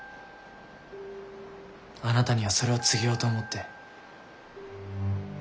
あなたにはそれを告げようと思って。